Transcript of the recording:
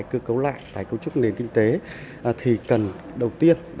cơ cấu lại tái cấu trúc nền kinh tế thì cần đầu tiên